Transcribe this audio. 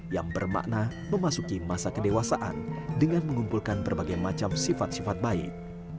yang bermakna memasuki masa kedewasaan dengan mengumpulkan berbagai macam sifat sifat baik